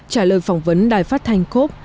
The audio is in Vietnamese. trả lời phỏng vấn đài phát thanh cốc